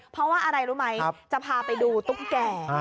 เพราะว่าอะไรรู้ไหมจะพาไปดูตุ๊กแก่